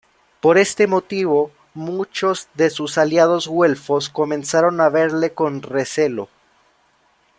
Por este motivo, muchos de sus aliados güelfos comenzaron a verle con recelo.